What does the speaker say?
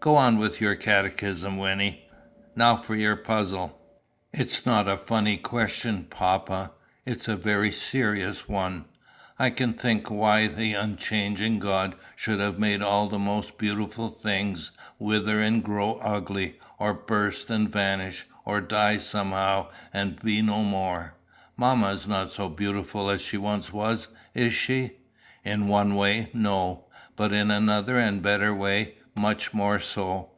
Go on with your catechism, Wynnie. Now for your puzzle!" "It's not a funny question, papa; it's a very serious one. I can't think why the unchanging God should have made all the most beautiful things wither and grow ugly, or burst and vanish, or die somehow and be no more. Mamma is not so beautiful as she once was, is she?" "In one way, no; but in another and better way, much more so.